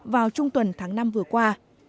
vào trung tuần tháng năm vừa qua